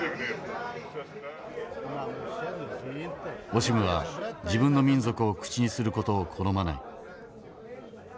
オシムは自分の民族を口にする事を好まない。